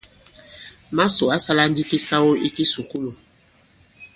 Màsò ǎ sālā ndī kisawo ī kisùkulù.